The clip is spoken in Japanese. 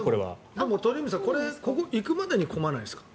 でも、鳥海さん行くまでに混まないですか？